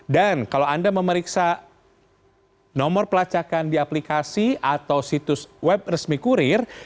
dan kalau anda memeriksa nomor pelacakan di aplikasi atau situs web resmi kurir